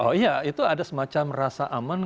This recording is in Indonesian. oh iya itu ada semacam rasa aman